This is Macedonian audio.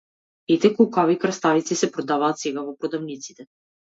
Ете колкави краставици се продаваат сега во продавниците!